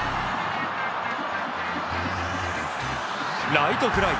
ライトフライ。